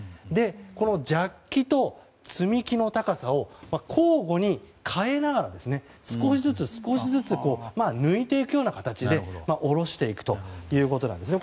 このジャッキと積み木の高さを交互に変えながら少しずつ、少しずつ抜いていくような形で下ろしていくということですね。